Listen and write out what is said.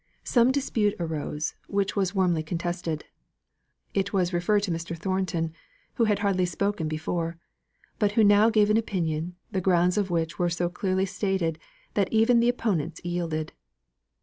Some dispute arose, which was warmly contested; it was referred to Mr. Thornton, who had hardly spoken before; but who now gave an opinion, the grounds of which were so clearly stated that even the opponents yielded.